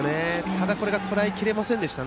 ただ、とらえきれませんでした。